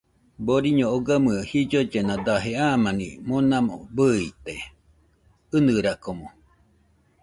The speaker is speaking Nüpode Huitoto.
Boriño ogamɨe jillollena daje amani mona bɨide, ɨnɨrakomo